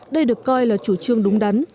đây được coi là chủ trương đúng đắn